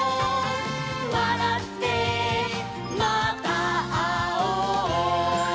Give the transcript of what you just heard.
「わらってまたあおう」